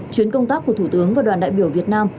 chuyến công tác của thủ tướng và đoàn đại biểu việt nam